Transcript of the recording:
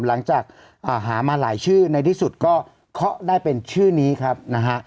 หลังจากหามาหลายชื่อในที่สุดก็เคาะได้เป็นชื่อนี้ครับนะฮะ